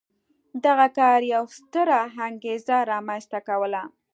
دغه کار یوه ستره انګېزه رامنځته کوله.